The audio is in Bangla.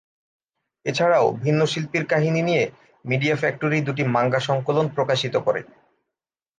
এছাড়াও, ভিন্ন শিল্পীর কাহিনী নিয়ে মিডিয়া ফ্যাক্টরি দুটি মাঙ্গা সংকলন প্রকাশিত করে।